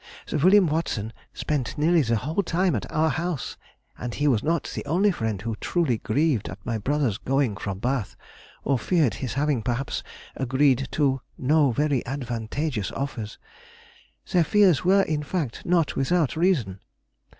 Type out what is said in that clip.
Sir Wm. Watson spent nearly the whole time at our house, and he was not the only friend who truly grieved at my brother's going from Bath; or feared his having perhaps agreed to no very advantageous offers; their fears were, in fact, not without reason....